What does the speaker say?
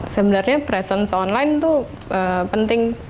sebenarnya presence online tuh penting